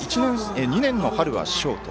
２年の春はショート。